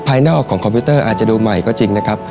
นอกของคอมพิวเตอร์อาจจะดูใหม่ก็จริงนะครับ